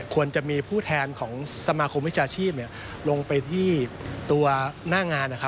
ควรจะมีผู้แทนของสมาคมวิชาชีพลงไปที่ตัวหน้างาน